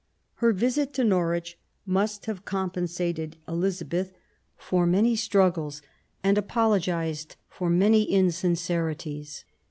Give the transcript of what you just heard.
Her visit to Norwich must have compen sated Elizabeth for many struggles, and apologised for many insincerities.